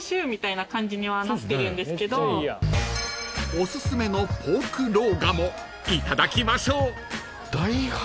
［おすすめのポークローガモいただきましょう］